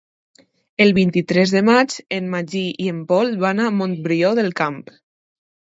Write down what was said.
El vint-i-tres de maig en Magí i en Pol van a Montbrió del Camp.